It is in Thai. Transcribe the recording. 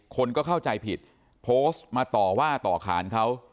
คนก็เข้าใจผิดโพสต์มาต่อว่าต่อขานเขา